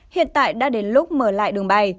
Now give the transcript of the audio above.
hiện tại đã đến lúc mở lại đường bay